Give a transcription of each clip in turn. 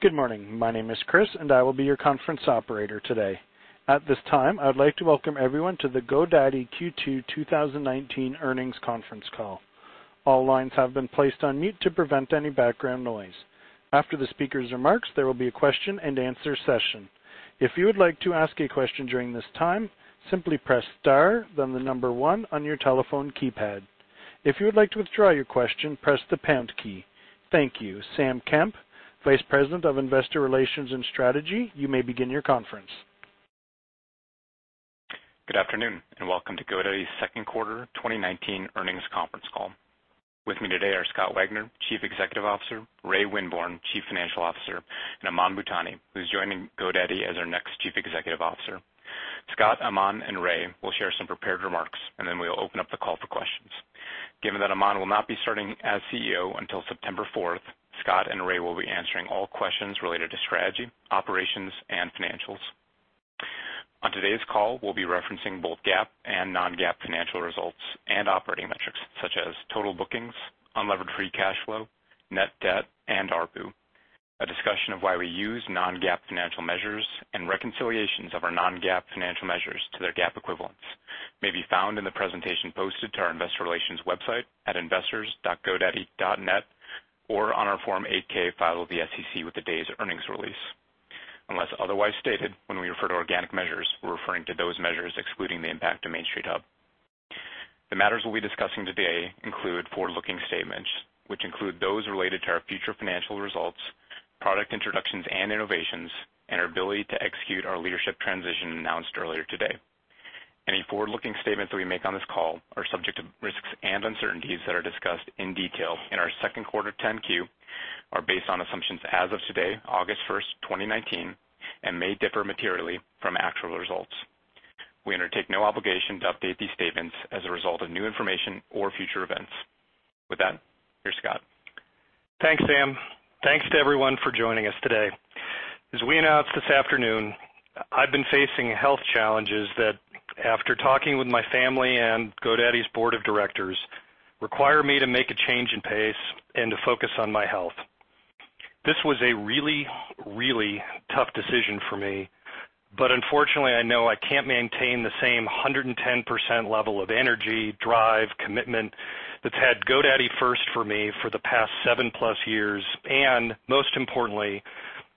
Good morning. My name is Chris, and I will be your conference operator today. At this time, I would like to welcome everyone to the GoDaddy Q2 2019 earnings conference call. All lines have been placed on mute to prevent any background noise. After the speaker's remarks, there will be a question and answer session. If you would like to ask a question during this time, simply press star, then the number 1 on your telephone keypad. If you would like to withdraw your question, press the pound key. Thank you. Sam Kemp, Vice President of Investor Relations and Strategy, you may begin your conference. Good afternoon, and welcome to GoDaddy's second quarter 2019 earnings conference call. With me today are Scott Wagner, Chief Executive Officer, Raymond Winborne, Chief Financial Officer, and Aman Bhutani, who's joining GoDaddy as our next Chief Executive Officer. Scott, Aman, and Ray will share some prepared remarks, and then we'll open up the call for questions. Given that Aman will not be starting as CEO until September fourth, Scott and Ray will be answering all questions related to strategy, operations, and financials. On today's call, we'll be referencing both GAAP and non-GAAP financial results and operating metrics such as total bookings, unlevered free cash flow, net debt, and ARPU. A discussion of why we use non-GAAP financial measures and reconciliations of our non-GAAP financial measures to their GAAP equivalents may be found in the presentation posted to our investor relations website at investors.godaddy.net or on our Form 8-K filed with the SEC with today's earnings release. Unless otherwise stated, when we refer to organic measures, we're referring to those measures excluding the impact of Main Street Hub. The matters we'll be discussing today include forward-looking statements, which include those related to our future financial results, product introductions and innovations, and our ability to execute our leadership transition announced earlier today. Any forward-looking statements that we make on this call are subject to risks and uncertainties that are discussed in detail in our second quarter 10-Q, are based on assumptions as of today, August first, 2019, and may differ materially from actual results. We undertake no obligation to update these statements as a result of new information or future events. With that, here's Scott. Thanks, Sam. Thanks to everyone for joining us today. As we announced this afternoon, I've been facing health challenges that, after talking with my family and GoDaddy's board of directors, require me to make a change in pace and to focus on my health. This was a really tough decision for me, but unfortunately, I know I can't maintain the same 110% level of energy, drive, commitment that's had GoDaddy first for me for the past 7-plus years, and most importantly,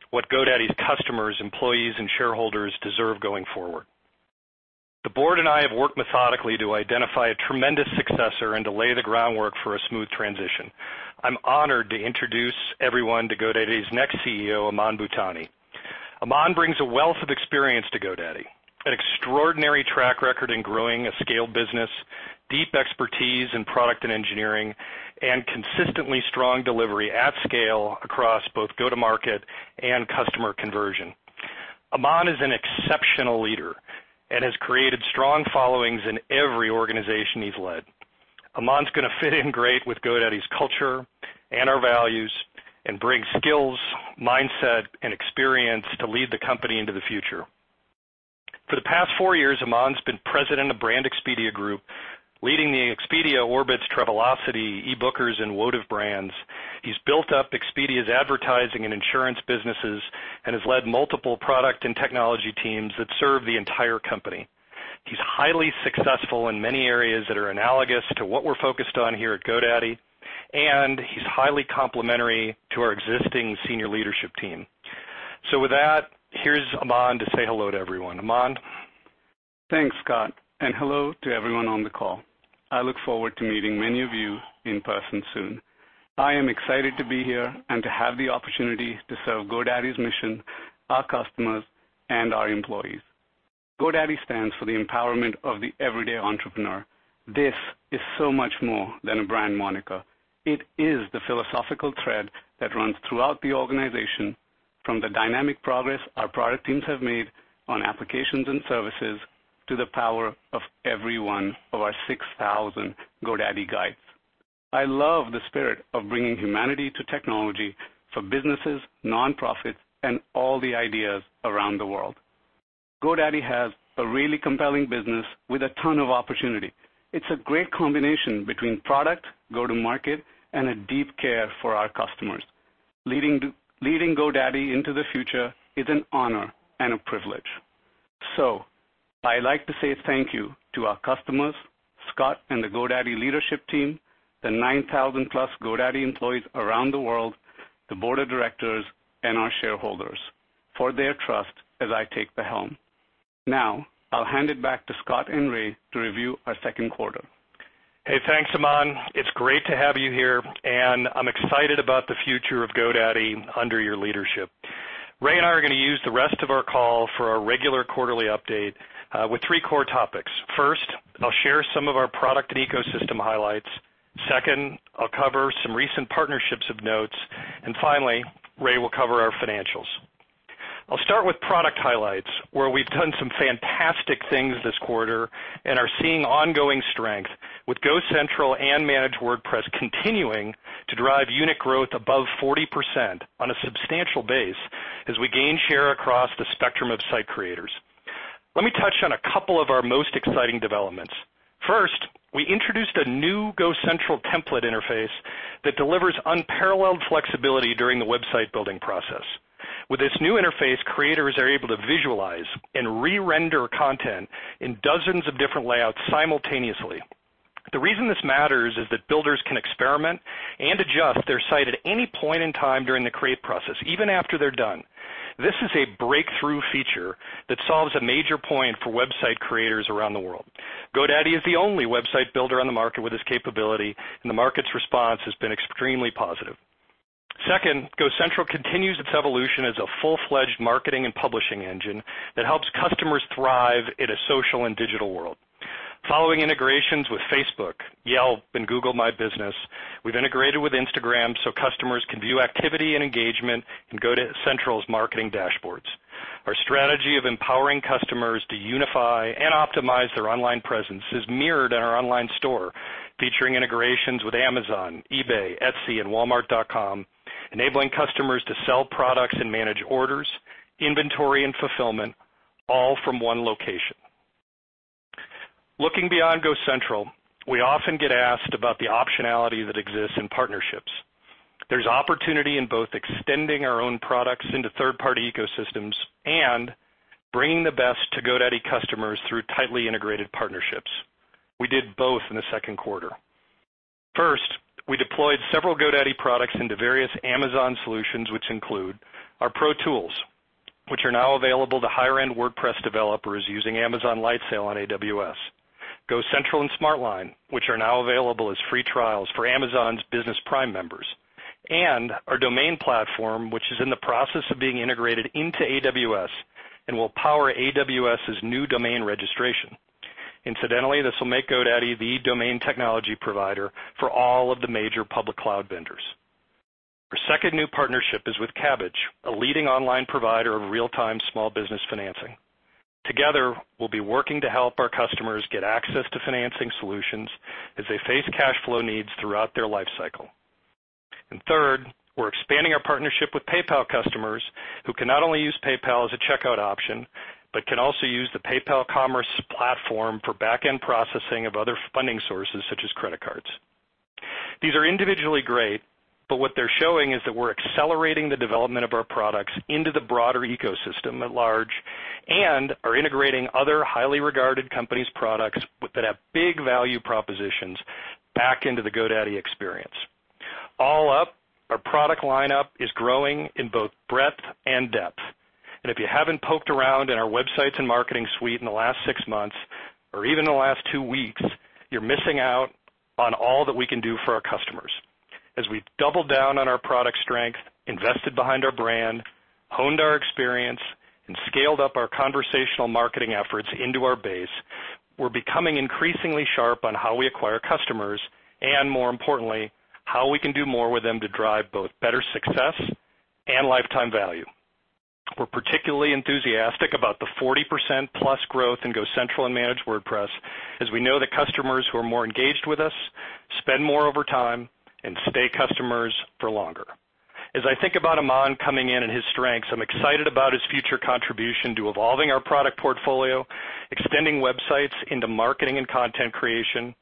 what GoDaddy's customers, employees, and shareholders deserve going forward. The board and I have worked methodically to identify a tremendous successor and to lay the groundwork for a smooth transition. I'm honored to introduce everyone to GoDaddy's next CEO, Aman Bhutani. Aman brings a wealth of experience to GoDaddy, an extraordinary track record in growing a scale business, deep expertise in product and engineering, and consistently strong delivery at scale across both go-to-market and customer conversion. Aman is an exceptional leader and has created strong followings in every organization he's led. Aman's going to fit in great with GoDaddy's culture and our values and bring skills, mindset, and experience to lead the company into the future. For the past four years, Aman's been president of Brand Expedia Group, leading the Expedia, Orbitz, Travelocity, ebookers, and Wotif brands. He's built up Expedia's advertising and insurance businesses and has led multiple product and technology teams that serve the entire company. He's highly successful in many areas that are analogous to what we're focused on here at GoDaddy, and he's highly complementary to our existing senior leadership team. With that, here's Aman to say hello to everyone. Aman? Thanks, Scott. Hello to everyone on the call. I look forward to meeting many of you in person soon. I am excited to be here and to have the opportunity to serve GoDaddy's mission, our customers, and our employees. GoDaddy stands for the empowerment of the everyday entrepreneur. This is so much more than a brand moniker. It is the philosophical thread that runs throughout the organization from the dynamic progress our product teams have made on applications and services to the power of every one of our 6,000 GoDaddy guides. I love the spirit of bringing humanity to technology for businesses, nonprofits, and all the ideas around the world. GoDaddy has a really compelling business with a ton of opportunity. It's a great combination between product, go-to-market, and a deep care for our customers. Leading GoDaddy into the future is an honor and a privilege. I'd like to say thank you to our customers, Scott and the GoDaddy leadership team, the 9,000-plus GoDaddy employees around the world, the board of directors, and our shareholders for their trust as I take the helm. I'll hand it back to Scott and Ray to review our second quarter. Hey, thanks, Aman. It's great to have you here, and I'm excited about the future of GoDaddy under your leadership. Ray and I are going to use the rest of our call for our regular quarterly update, with three core topics. First, I'll share some of our product and ecosystem highlights. Second, I'll cover some recent partnerships of notes. Finally, Ray will cover our financials. I'll start with product highlights, where we've done some fantastic things this quarter and are seeing ongoing strength with GoCentral and Managed WordPress continuing to drive unit growth above 40% on a substantial base as we gain share across the spectrum of site creators. Let me touch on a couple of our most exciting developments. First, we introduced a new GoCentral template interface that delivers unparalleled flexibility during the website-building process. With this new interface, creators are able to visualize and re-render content in dozens of different layouts simultaneously. The reason this matters is that builders can experiment and adjust their site at any point in time during the create process, even after they're done. This is a breakthrough feature that solves a major point for website creators around the world. GoDaddy is the only website builder on the market with this capability, and the market's response has been extremely positive. Second, GoCentral continues its evolution as a full-fledged marketing and publishing engine that helps customers thrive in a social and digital world. Following integrations with Facebook, Yelp, and Google My Business, we've integrated with Instagram so customers can view activity and engagement in GoCentral's marketing dashboards. Our strategy of empowering customers to unify and optimize their online presence is mirrored in our online store, featuring integrations with Amazon, eBay, Etsy, and walmart.com, enabling customers to sell products and manage orders, inventory, and fulfillment all from one location. Looking beyond GoCentral, we often get asked about the optionality that exists in partnerships. There's opportunity in both extending our own products into third-party ecosystems and bringing the best to GoDaddy customers through tightly integrated partnerships. We did both in the second quarter. First, we deployed several GoDaddy products into various Amazon solutions, which include our Pro Tools, which are now available to higher-end WordPress developers using Amazon Lightsail on AWS, GoCentral and SmartLine, which are now available as free trials for Amazon's Business Prime members, and our domain platform, which is in the process of being integrated into AWS and will power AWS' new domain registration. Incidentally, this will make GoDaddy the domain technology provider for all of the major public cloud vendors. Our second new partnership is with Kabbage, a leading online provider of real-time small business financing. Together, we'll be working to help our customers get access to financing solutions as they face cash flow needs throughout their life cycle. Third, we're expanding our partnership with PayPal customers, who can not only use PayPal as a checkout option, but can also use the PayPal Commerce Platform for back-end processing of other funding sources, such as credit cards. These are individually great, but what they're showing is that we're accelerating the development of our products into the broader ecosystem at large and are integrating other highly regarded companies' products that have big value propositions back into the GoDaddy experience. All up, our product lineup is growing in both breadth and depth. If you haven't poked around in our Websites + Marketing suite in the last six months, or even the last two weeks, you're missing out on all that we can do for our customers. As we've doubled down on our product strength, invested behind our brand, honed our experience, and scaled up our conversational marketing efforts into our base, we're becoming increasingly sharp on how we acquire customers and, more importantly, how we can do more with them to drive both better success and lifetime value. We're particularly enthusiastic about the 40% plus growth in GoCentral and Managed WordPress, as we know that customers who are more engaged with us spend more over time and stay customers for longer. As I think about Aman coming in and his strengths, I'm excited about his future contribution to evolving our product portfolio, extending websites into marketing and content creation,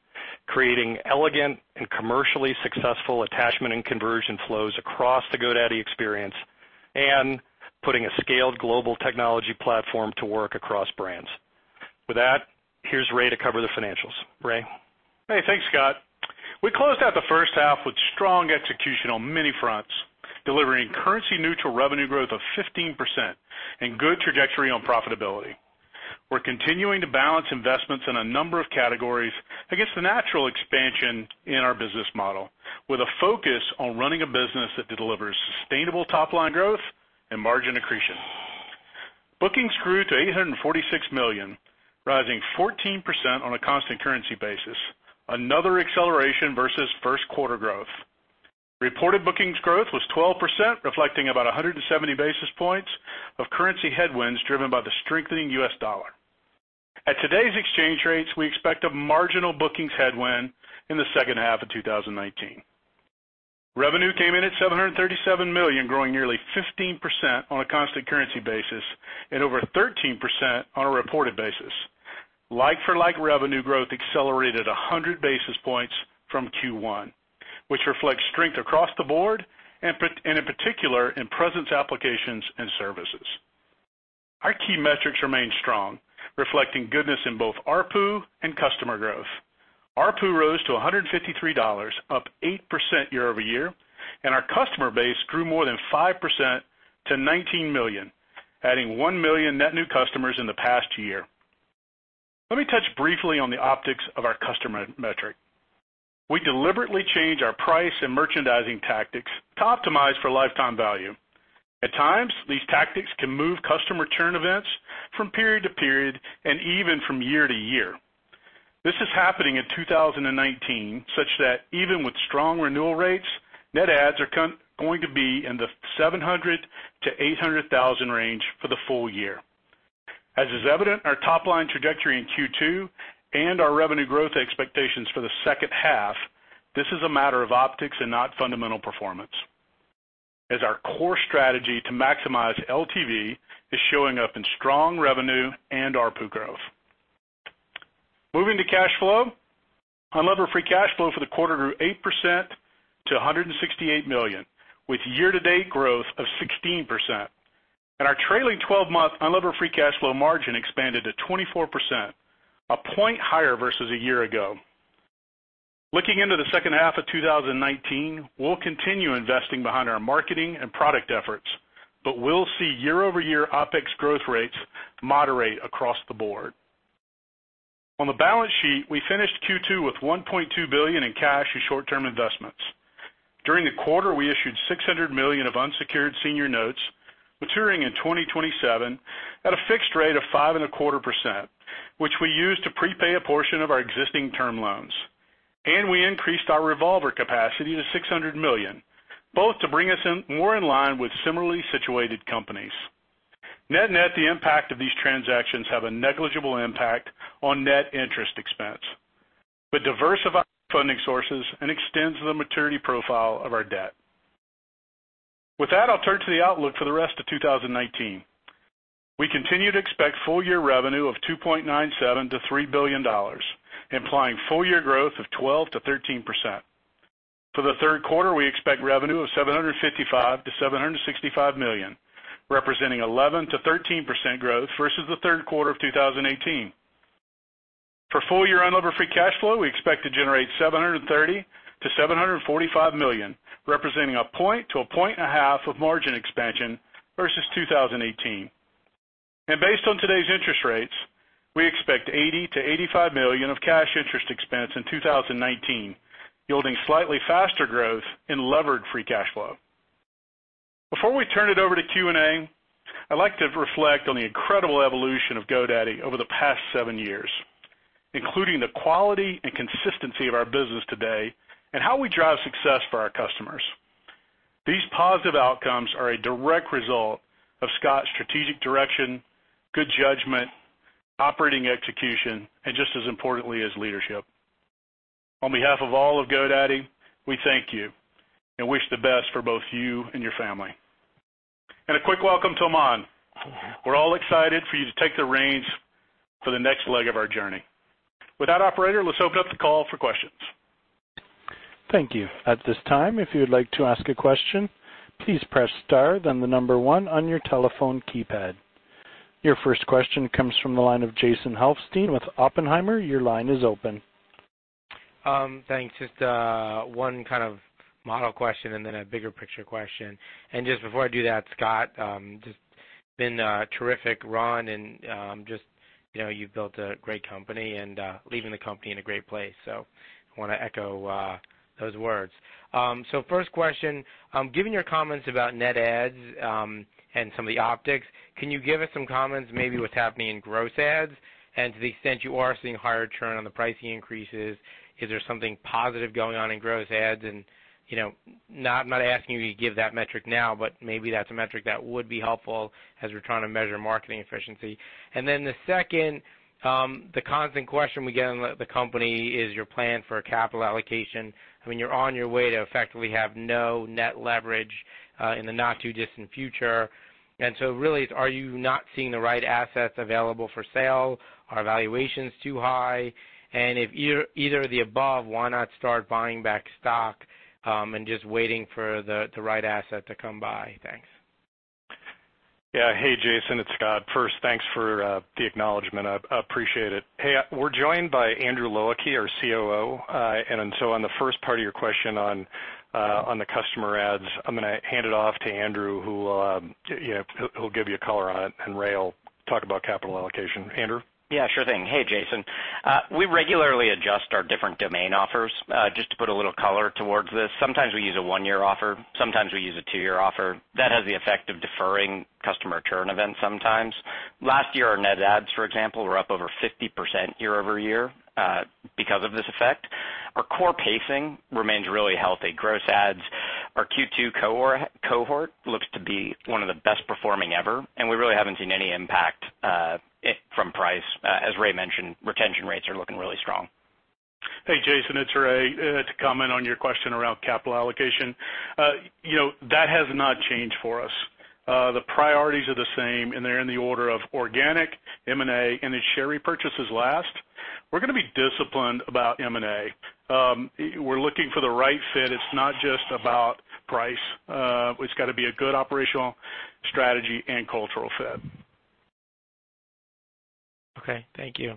creating elegant and commercially successful attachment and conversion flows across the GoDaddy experience, and putting a scaled global technology platform to work across brands. With that, here's Ray to cover the financials. Ray? Hey. Thanks, Scott. We closed out the first half with strong execution on many fronts, delivering currency-neutral revenue growth of 15% and good trajectory on profitability. We're continuing to balance investments in a number of categories against the natural expansion in our business model, with a focus on running a business that delivers sustainable top-line growth and margin accretion. Bookings grew to $846 million, rising 14% on a constant currency basis, another acceleration versus first quarter growth. Reported bookings growth was 12%, reflecting about 170 basis points of currency headwinds driven by the strengthening US dollar. At today's exchange rates, we expect a marginal bookings headwind in the second half of 2019. Revenue came in at $737 million, growing nearly 15% on a constant currency basis and over 13% on a reported basis. Like-for-like revenue growth accelerated 100 basis points from Q1, which reflects strength across the board, and in particular, in presence, applications, and services. Our key metrics remain strong, reflecting goodness in both ARPU and customer growth. ARPU rose to $153, up 8% year-over-year, and our customer base grew more than 5% to 19 million, adding one million net new customers in the past year. Let me touch briefly on the optics of our customer metric. We deliberately change our price and merchandising tactics to optimize for lifetime value. At times, these tactics can move customer churn events from period to period and even from year-to-year. This is happening in 2019, such that even with strong renewal rates, net adds are going to be in the 700,000-800,000 range for the full year. As is evident, our top-line trajectory in Q2 and our revenue growth expectations for the second half, this is a matter of optics and not fundamental performance. Our core strategy to maximize LTV is showing up in strong revenue and ARPU growth. Moving to cash flow, unlevered free cash flow for the quarter grew 8% to $168 million, with year-to-date growth of 16%. Our trailing 12-month unlevered free cash flow margin expanded to 24%, a point higher versus a year ago. Looking into the second half of 2019, we'll continue investing behind our marketing and product efforts, but we'll see year-over-year OpEx growth rates moderate across the board. On the balance sheet, we finished Q2 with $1.2 billion in cash and short-term investments. During the quarter, we issued $600 million of unsecured senior notes maturing in 2027 at a fixed rate of 5.25%, which we used to prepay a portion of our existing term loans. We increased our revolver capacity to $600 million, both to bring us more in line with similarly situated companies. Net-net, the impact of these transactions have a negligible impact on net interest expense, but diversify funding sources and extends the maturity profile of our debt. With that, I'll turn to the outlook for the rest of 2019. We continue to expect full-year revenue of $2.97 to $3 billion, implying full-year growth of 12% to 13%. For the third quarter, we expect revenue of $755 to $765 million, representing 11% to 13% growth versus the third quarter of 2018. For full-year unlevered free cash flow, we expect to generate $730 million-$745 million, representing 1 percentage point to 1.5 percentage points of margin expansion versus 2018. Based on today's interest rates, we expect $80 million-$85 million of cash interest expense in 2019, yielding slightly faster growth in levered free cash flow. Before we turn it over to Q&A, I'd like to reflect on the incredible evolution of GoDaddy over the past seven years, including the quality and consistency of our business today and how we drive success for our customers. These positive outcomes are a direct result of Scott's strategic direction, good judgment, operating execution, and just as importantly, his leadership. On behalf of all of GoDaddy, we thank you and wish the best for both you and your family. A quick welcome to Aman. We're all excited for you to take the reins for the next leg of our journey. With that, operator, let's open up the call for questions. Thank you. At this time, if you would like to ask a question, please press star, then the number one on your telephone keypad. Your first question comes from the line of Jason Helfstein with Oppenheimer. Your line is open. Thanks. Just one kind of model question and then a bigger-picture question. Just before I do that, Scott, just been a terrific run and you've built a great company and leaving the company in a great place, so want to echo those words. First question, given your comments about net adds and some of the optics, can you give us some comments, maybe what's happening in gross adds? To the extent you are seeing higher churn on the pricing increases, is there something positive going on in gross adds? I'm not asking you to give that metric now, but maybe that's a metric that would be helpful as we're trying to measure marketing efficiency. The second, the constant question we get on the company is your plan for capital allocation. I mean, you're on your way to effectively have no net leverage in the not too distant future. Really, are you not seeing the right assets available for sale? Are valuations too high? If either of the above, why not start buying back stock and just waiting for the right asset to come by? Thanks. Yeah. Hey, Jason, it's Scott. First, thanks for the acknowledgement. I appreciate it. Hey, we're joined by Andrew Low Ah Kee, our COO, and so on the first part of your question on the customer adds, I'm going to hand it off to Andrew, who'll give you a color on it, and Ray will talk about capital allocation. Andrew? Yeah, sure thing. Hey, Jason. We regularly adjust our different domain offers, just to put a little color towards this. Sometimes we use a one-year offer, sometimes we use a two-year offer. That has the effect of deferring customer churn events sometimes. Last year, our net adds, for example, were up over 50% year-over-year because of this effect. Our core pacing remains really healthy. Gross adds, our Q2 cohort looks to be one of the best performing ever, and we really haven't seen any impact from price. As Ray mentioned, retention rates are looking really strong. Hey, Jason, it's Ray. To comment on your question around capital allocation, that has not changed for us. The priorities are the same, and they're in the order of organic, M&A, and then share repurchases last. We're going to be disciplined about M&A. We're looking for the right fit. It's not just about price. It's got to be a good operational strategy and cultural fit. Okay. Thank you.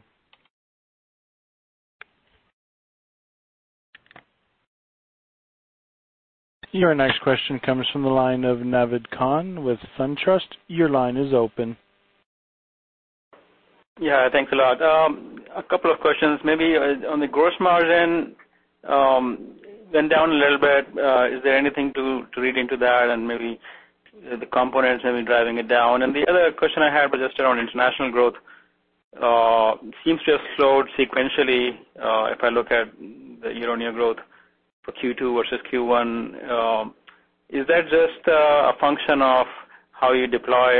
Your next question comes from the line of Naved Khan with SunTrust. Your line is open. Yeah, thanks a lot. A couple of questions. Maybe on the gross margin, went down a little bit. Is there anything to read into that and maybe the components maybe driving it down? The other question I had was just around international growth. It seems to have slowed sequentially if I look at the year-on-year growth for Q2 versus Q1. Is that just a function of how you deploy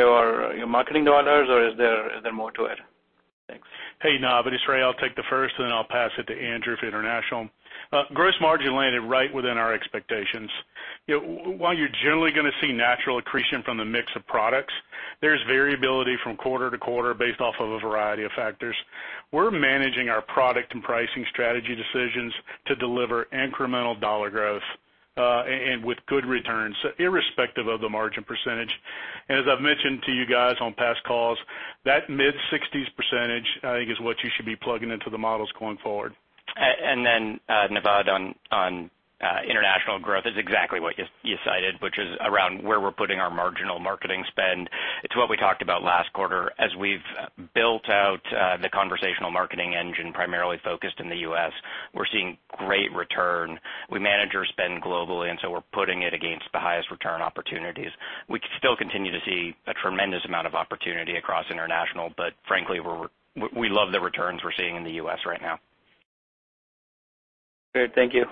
your marketing dollars, or is there more to it? Hey, Naved, it's Ray. I'll take the first, and then I'll pass it to Andrew for international. Gross margin landed right within our expectations. While you're generally going to see natural accretion from the mix of products, there's variability from quarter to quarter based off of a variety of factors. We're managing our product and pricing strategy decisions to deliver incremental dollar growth, and with good returns, irrespective of the margin percentage. As I've mentioned to you guys on past calls, that mid-60s percentage, I think, is what you should be plugging into the models going forward. Naved, on international growth, is exactly what you cited, which is around where we're putting our marginal marketing spend. It's what we talked about last quarter. As we've built out the conversational marketing engine, primarily focused in the U.S., we're seeing great return. We manage our spend globally, and so we're putting it against the highest return opportunities. We still continue to see a tremendous amount of opportunity across international, but frankly, we love the returns we're seeing in the U.S. right now. Great. Thank you.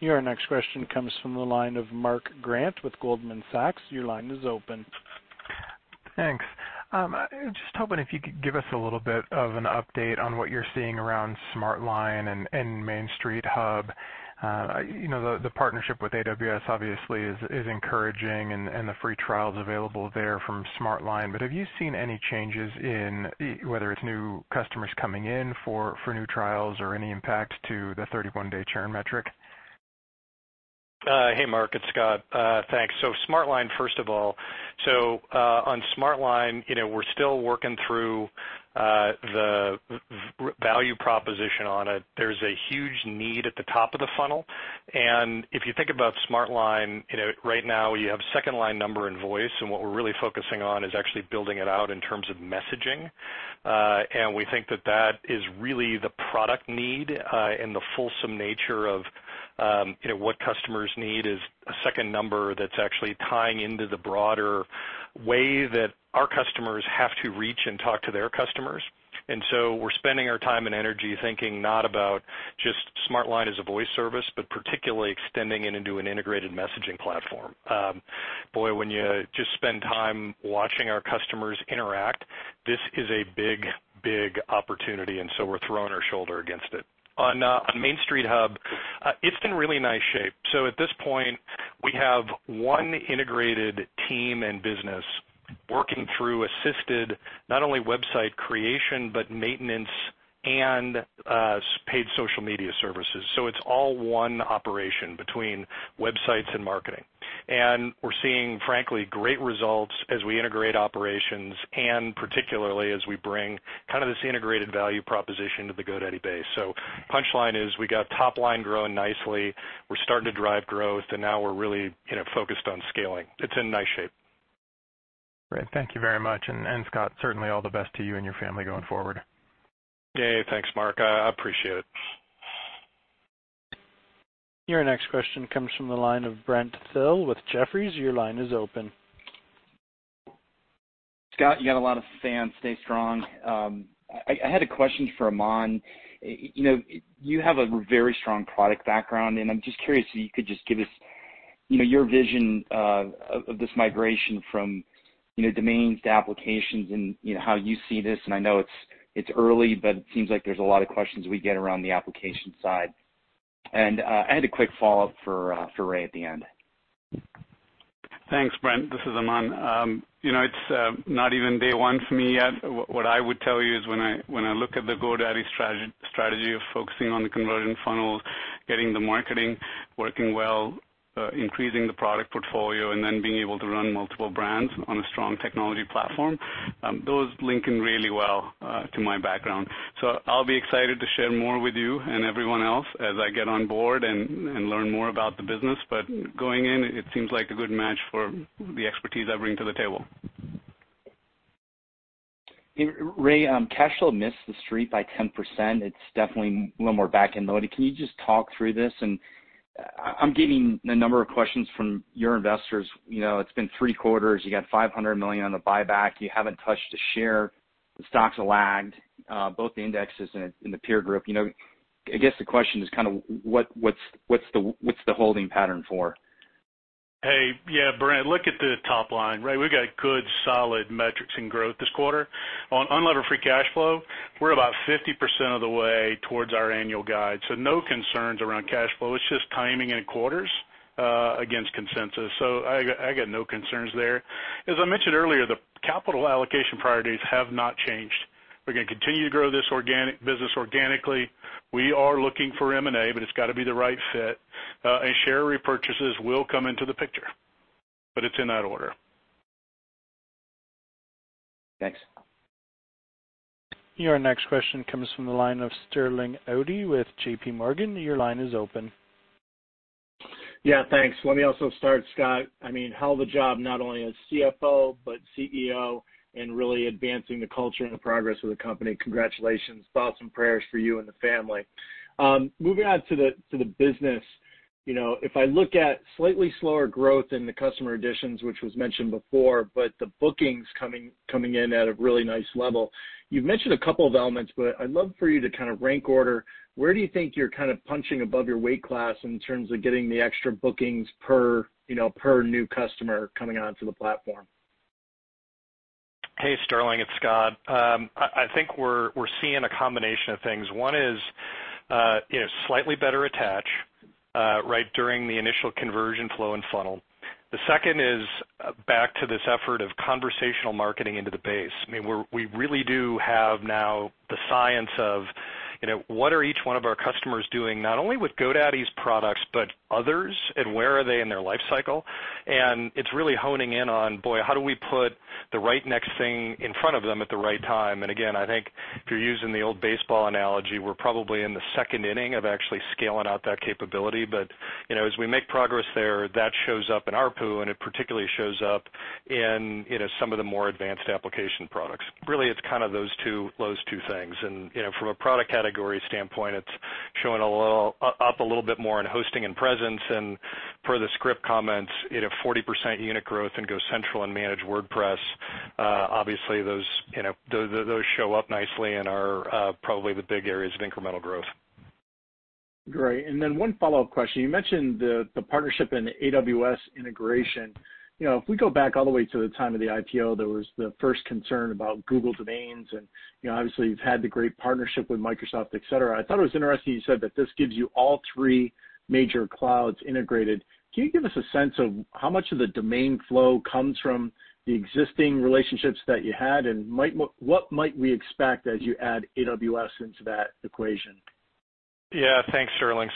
Your next question comes from the line of Mark Grant with Goldman Sachs. Your line is open. Thanks. Just hoping if you could give us a little bit of an update on what you're seeing around SmartLine and Main Street Hub. The partnership with AWS obviously is encouraging and the free trials available there from SmartLine, but have you seen any changes in whether it's new customers coming in for new trials or any impact to the 31-day churn metric? Hey, Mark, it's Scott. Thanks. SmartLine, first of all, on SmartLine, we're still working through the value proposition on it. There's a huge need at the top of the funnel, if you think about SmartLine, right now you have second line number and voice, what we're really focusing on is actually building it out in terms of messaging. We think that that is really the product need, the fulsome nature of what customers need is a second number that's actually tying into the broader way that our customers have to reach and talk to their customers. We're spending our time and energy thinking not about just SmartLine as a voice service, but particularly extending it into an integrated messaging platform. Boy, when you just spend time watching our customers interact, this is a big opportunity. We're throwing our shoulder against it. On Main Street Hub, it's in really nice shape. At this point, we have one integrated team and business working through assisted, not only website creation, but maintenance and paid social media services. It's all one operation between websites and marketing. We're seeing, frankly, great results as we integrate operations and particularly as we bring kind of this integrated value proposition to the GoDaddy base. Punchline is we got top line growing nicely. We're starting to drive growth, and now we're really focused on scaling. It's in nice shape. Great. Thank you very much. Scott, certainly all the best to you and your family going forward. Hey, thanks, Mark. I appreciate it. Your next question comes from the line of Brent Thill with Jefferies. Your line is open. Scott, you got a lot of fans. Stay strong. I had a question for Aman. You have a very strong product background, and I'm just curious if you could just give us your vision of this migration from domains to applications and how you see this, and I know it's early, but it seems like there's a lot of questions we get around the application side. I had a quick follow-up for Ray at the end. Thanks, Brent. This is Aman. It's not even day one for me yet. What I would tell you is when I look at the GoDaddy strategy of focusing on the conversion funnels, getting the marketing working well, increasing the product portfolio, and then being able to run multiple brands on a strong technology platform, those link in really well to my background. I'll be excited to share more with you and everyone else as I get on board and learn more about the business. Going in, it seems like a good match for the expertise I bring to the table. Ray, cash flow missed the Street by 10%. It's definitely a little more back-end loaded. Can you just talk through this? I'm getting a number of questions from your investors. It's been three quarters. You got $500 million on the buyback. You haven't touched a share. The stocks have lagged, both the indexes and the peer group. I guess the question is kind of what's the holding pattern for? Hey. Yeah, Brent, look at the top line, right? We've got good, solid metrics and growth this quarter. On unlevered free cash flow, we're about 50% of the way towards our annual guide, so no concerns around cash flow. It's just timing in quarters against consensus. I got no concerns there. As I mentioned earlier, the capital allocation priorities have not changed. We're going to continue to grow this business organically. We are looking for M&A, but it's got to be the right fit. Share repurchases will come into the picture, but it's in that order. Thanks. Your next question comes from the line of Sterling Auty with JPMorgan. Your line is open. Thanks. Let me also start, Scott, I mean, hell of a job not only as CFO, but CEO, and really advancing the culture and the progress of the company. Congratulations. Thoughts and prayers for you and the family. Moving on to the business, if I look at slightly slower growth in the customer additions, which was mentioned before, but the bookings coming in at a really nice level. You've mentioned a couple of elements, but I'd love for you to kind of rank order, where do you think you're kind of punching above your weight class in terms of getting the extra bookings per new customer coming onto the platform? Hey, Sterling. It's Scott. I think we're seeing a combination of things. One is slightly better attach during the initial conversion flow and funnel. The second is back to this effort of conversational marketing into the base. We really do have now the science of what are each one of our customers doing, not only with GoDaddy's products, but others, and where are they in their life cycle. It's really honing in on, boy, how do we put the right next thing in front of them at the right time? Again, I think if you're using the old baseball analogy, we're probably in the second inning of actually scaling out that capability. As we make progress there, that shows up in ARPU, and it particularly shows up in some of the more advanced application products. Really, it's kind of those two things. From a product category standpoint, it's showing up a little bit more in hosting and presence. Per the script comments, 40% unit growth in GoCentral and Managed WordPress. Obviously, those show up nicely and are probably the big areas of incremental growth. Great. One follow-up question. You mentioned the partnership in AWS integration. If we go back all the way to the time of the IPO, there was the first concern about Google Domains, and obviously you've had the great partnership with Microsoft, et cetera. I thought it was interesting you said that this gives you all three major clouds integrated. Can you give us a sense of how much of the domain flow comes from the existing relationships that you had, and what might we expect as you add AWS into that equation? Thanks, Sterling.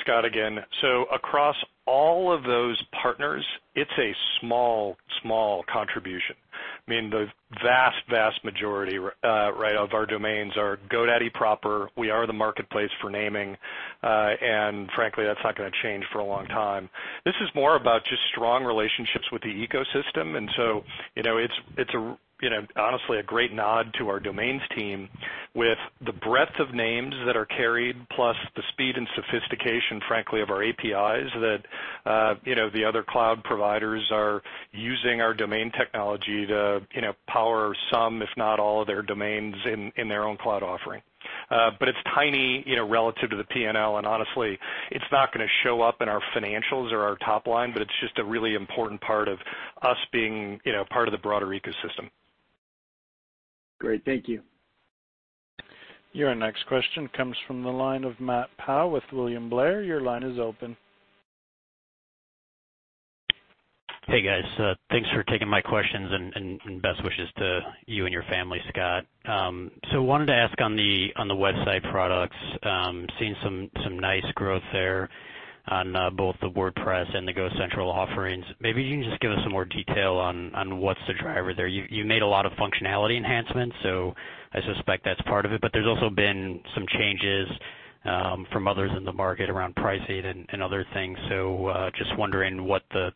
Across all of those partners, it's a small contribution. The vast majority of our domains are GoDaddy proper. We are the marketplace for naming. Frankly, that's not going to change for a long time. This is more about just strong relationships with the ecosystem, and so it's honestly a great nod to our domains team with the breadth of names that are carried, plus the speed and sophistication, frankly, of our APIs that the other cloud providers are using our domain technology to power some, if not all of their domains in their own cloud offering. It's tiny relative to the P&L, and honestly, it's not going to show up in our financials or our top line, but it's just a really important part of us being part of the broader ecosystem. Great. Thank you. Your next question comes from the line of Matt Powell with William Blair. Your line is open. Hey, guys. Thanks for taking my questions, and best wishes to you and your family, Scott. Wanted to ask on the website products, seeing some nice growth there on both the WordPress and the GoCentral offerings. Maybe you can just give us some more detail on what's the driver there. You made a lot of functionality enhancements, so I suspect that's part of it, but there's also been some changes from others in the market around pricing and other things. Just wondering what the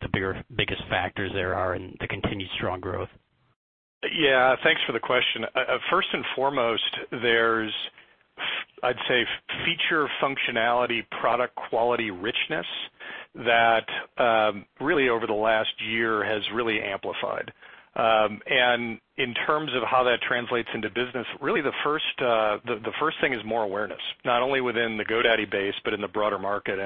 biggest factors there are in the continued strong growth. Yeah. Thanks for the question. First and foremost, there's, I'd say, feature functionality, product quality richness that really over the last year has really amplified. In terms of how that translates into business, really the first thing is more awareness, not only within the GoDaddy base, but in the broader market.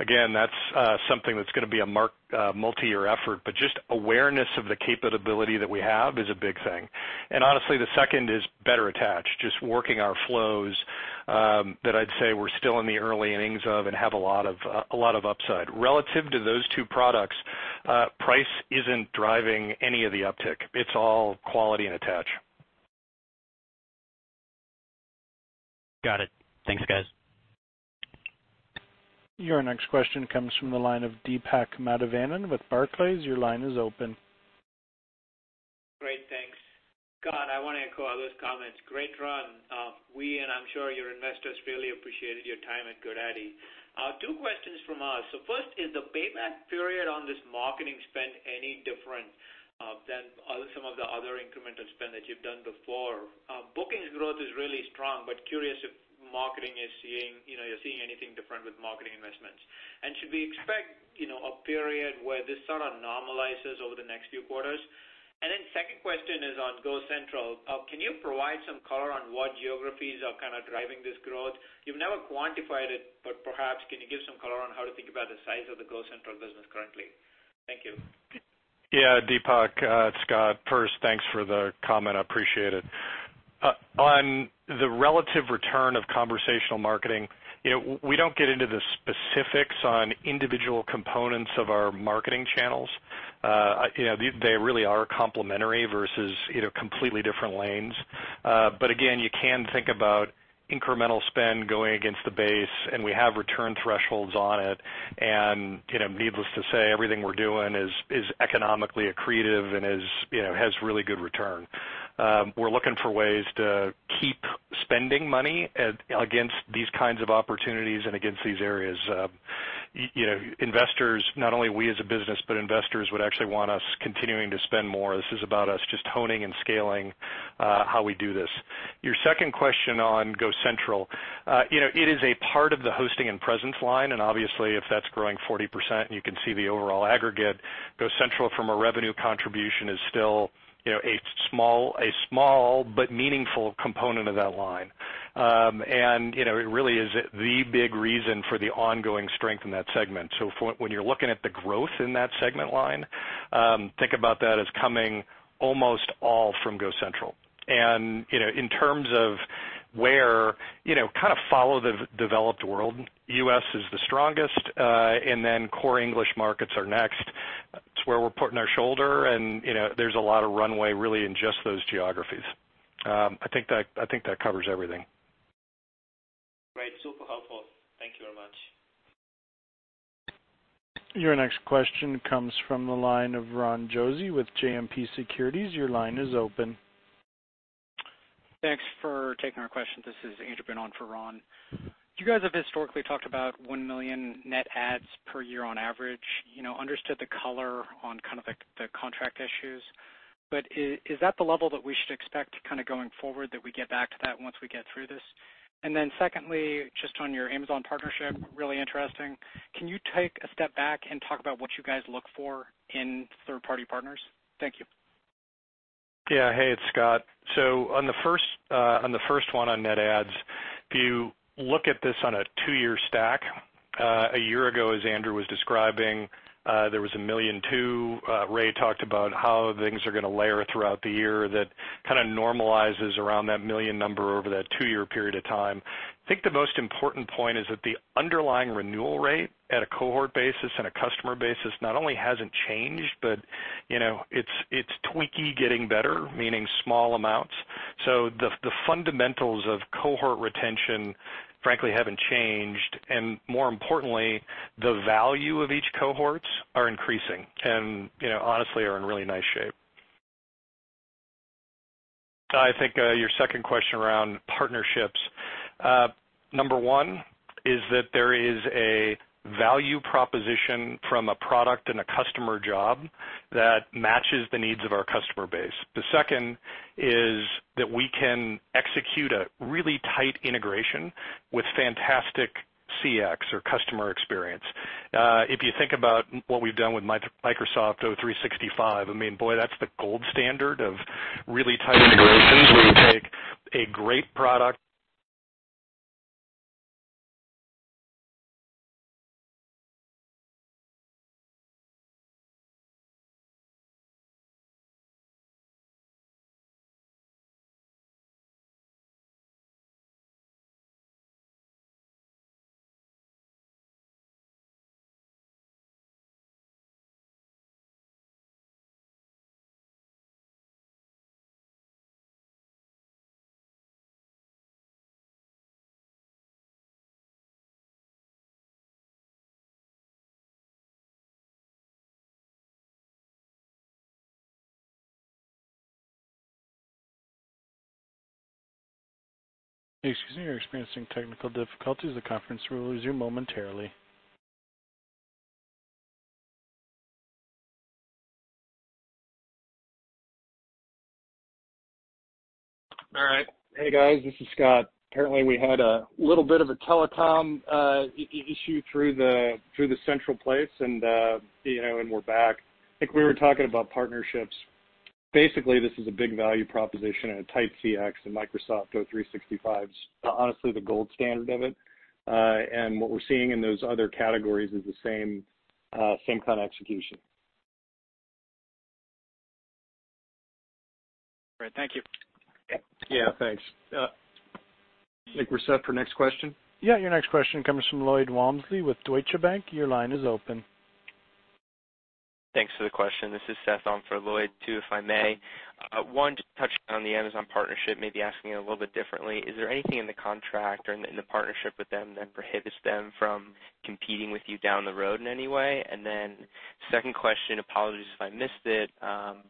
Again, that's something that's going to be a multi-year effort, but just awareness of the capability that we have is a big thing. Honestly, the second is better attach, just working our flows that I'd say we're still in the early innings of and have a lot of upside. Relative to those two products, price isn't driving any of the uptick. It's all quality and attach. Got it. Thanks, guys. Your next question comes from the line of Deepak Mathivanan with Barclays. Your line is open. Great. Thanks. Scott, I want to echo all those comments. Great run. We, and I'm sure your investors, really appreciated your time at GoDaddy. Two questions from us. First, is the payback period on this marketing spend any different than some of the other incremental spend that you've done before? Bookings growth is really strong, but curious if you're seeing anything different with marketing investments. Should we expect a period where this sort of normalizes over the next few quarters? Second question is on GoCentral. Can you provide some color on what geographies are kind of driving this growth? You've never quantified it, but perhaps can you give some color on how to think about the size of the GoCentral business currently? Thank you. Yeah, Deepak. It's Scott. First, thanks for the comment. I appreciate it. On the relative return of conversational marketing, we don't get into the specifics on individual components of our marketing channels. They really are complementary versus completely different lanes. Again, you can think about incremental spend going against the base, and we have return thresholds on it. Needless to say, everything we're doing is economically accretive and has really good return. We're looking for ways to keep spending money against these kinds of opportunities and against these areas. Not only we as a business, but investors would actually want us continuing to spend more. This is about us just honing and scaling how we do this. Your second question on GoCentral. It is a part of the hosting and presence line. Obviously, if that's growing 40%, you can see the overall aggregate, GoCentral from a revenue contribution is still a small but meaningful component of that line. It really is the big reason for the ongoing strength in that segment. When you're looking at the growth in that segment line, think about that as coming almost all from GoCentral. In terms of where, kind of follow the developed world. U.S. is the strongest, then core English markets are next. It's where we're putting our shoulder, there's a lot of runway really in just those geographies. I think that covers everything. Great. Super helpful. Thank you very much. Your next question comes from the line of Ron Josey with JMP Securities. Your line is open. Thanks for taking our question. This is Andrew Boone for Ron. You guys have historically talked about 1 million net adds per year on average. Understood the color on kind of the contract issues. Is that the level that we should expect kind of going forward, that we get back to that once we get through this? Secondly, just on your Amazon partnership, really interesting. Can you take a step back and talk about what you guys look for in third-party partners? Thank you. Yeah. Hey, it's Scott. On the first one on net adds, if you look at this on a 2-year stack, a year ago, as Andrew was describing, there was a million too. Ray talked about how things are going to layer throughout the year. That kind of normalizes around that million number over that 2-year period of time. I think the most important point is that the underlying renewal rate at a cohort basis and a customer basis not only hasn't changed, but it's tweaky getting better, meaning small amounts. The fundamentals of cohort retention, frankly, haven't changed, and more importantly, the value of each cohorts are increasing, and honestly are in really nice shape. I think your second question around partnerships. Number 1 is that there is a value proposition from a product and a customer job that matches the needs of our customer base. The second is that we can execute a really tight integration with fantastic CX or customer experience. If you think about what we've done with Office 365, boy, that's the gold standard of really tight integrations where you take a great product. Excuse me. We are experiencing technical difficulties. The conference will resume momentarily. All right. Hey, guys, this is Scott. Apparently, we had a little bit of a telecom issue through the central place, and we're back. I think we were talking about partnerships. Basically, this is a big value proposition and a tight CX, and Office 365's honestly the gold standard of it. What we're seeing in those other categories is the same kind of execution. Great. Thank you. Yeah. Thanks. I think we're set for next question. Yeah. Your next question comes from Lloyd Walmsley with Deutsche Bank. Your line is open. Thanks for the question. This is Seth on for Lloyd, too, if I may. One, just touching on the Amazon partnership, maybe asking it a little bit differently, is there anything in the contract or in the partnership with them that prohibits them from competing with you down the road in any way? Then second question, apologies if I missed it.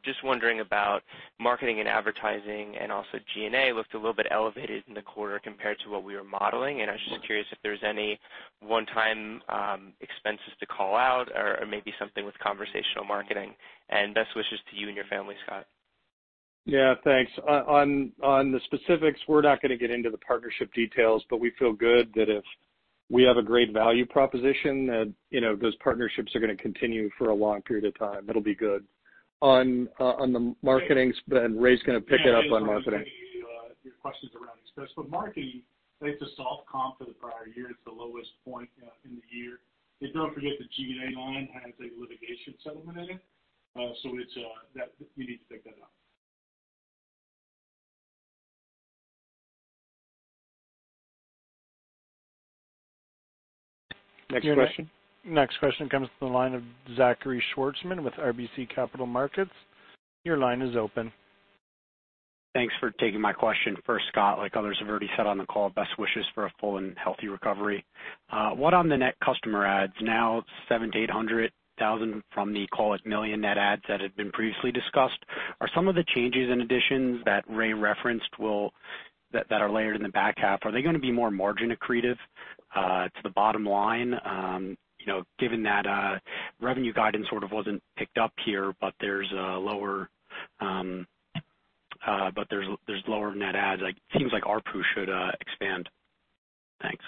Just wondering about marketing and advertising and also G&A looked a little bit elevated in the quarter compared to what we were modeling, and I was just curious if there's any one-time expenses to call out or maybe something with conversational marketing. Best wishes to you and your family, Scott. Yeah, thanks. On the specifics, we're not going to get into the partnership details. We feel good that if we have a great value proposition, that those partnerships are going to continue for a long period of time. That'll be good. On the marketing spend, Ray's going to pick it up on marketing. Yeah, on your questions around expense. For marketing, it's a soft comp for the prior year. It's the lowest point in the year. Don't forget, the G&A line has a litigation settlement in it, so we need to take that out. Next question. Next question comes to the line of Zachary Schwartzman with RBC Capital Markets. Your line is open. Thanks for taking my question. First, Scott, like others have already said on the call, best wishes for a full and healthy recovery. One on the net customer adds. Now it's 700,000 to 800,000 from the call it 1 million net adds that had been previously discussed. Are some of the changes and additions that Ray referenced that are layered in the back half, are they going to be more margin accretive to the bottom line? Given that revenue guidance sort of wasn't picked up here, there's lower net adds, it seems like ARPU should expand. Thanks.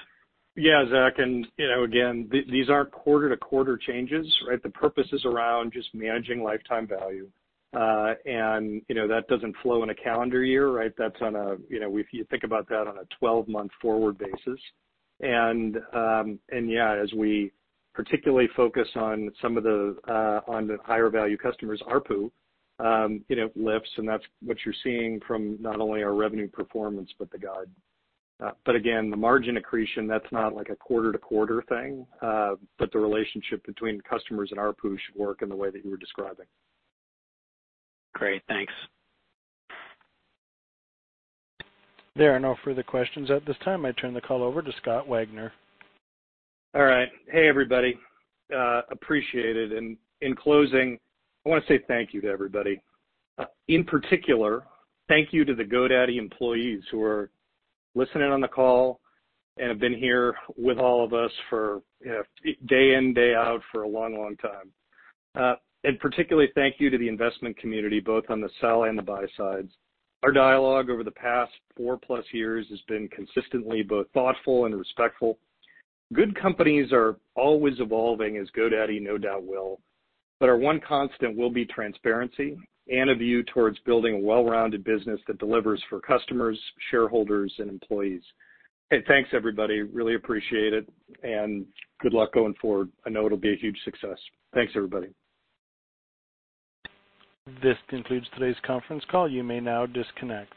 Zach, again, these aren't quarter-to-quarter changes, right? The purpose is around just managing lifetime value. That doesn't flow in a calendar year, right? If you think about that on a 12-month forward basis. As we particularly focus on the higher value customers, ARPU lifts, and that's what you're seeing from not only our revenue performance, but the guide. Again, the margin accretion, that's not like a quarter-to-quarter thing. The relationship between customers and ARPU should work in the way that you were describing. Great. Thanks. There are no further questions at this time. I turn the call over to Scott Wagner. All right. Hey, everybody. Appreciate it. In closing, I want to say thank you to everybody. In particular, thank you to the GoDaddy employees who are listening on the call and have been here with all of us day in, day out for a long time. Particularly thank you to the investment community, both on the sell and the buy sides. Our dialogue over the past four-plus years has been consistently both thoughtful and respectful. Good companies are always evolving, as GoDaddy no doubt will, but our one constant will be transparency and a view towards building a well-rounded business that delivers for customers, shareholders, and employees. Hey, thanks, everybody. Really appreciate it, and good luck going forward. I know it'll be a huge success. Thanks, everybody. This concludes today's conference call. You may now disconnect.